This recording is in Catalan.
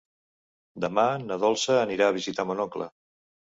Demà na Dolça anirà a visitar mon oncle.